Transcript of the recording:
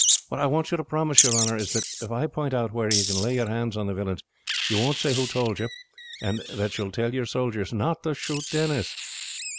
What I want you to promise, your honor, is, that if I point out where you can lay your hands on the villains, you won't say who tould you, and that you will tell your soldiers not to shoot Denis.